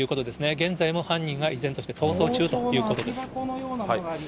現在も犯人が、依然として逃走中ということです。